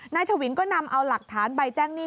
ทวินก็นำเอาหลักฐานใบแจ้งหนี้